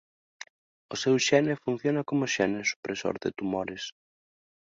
O seu xene funciona como xene supresor de tumores.